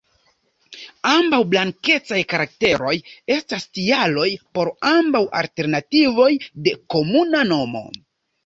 Ambaŭ blankecaj karakteroj estas tialoj por ambaŭ alternativoj de komuna nomo.